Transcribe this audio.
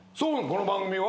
この番組は。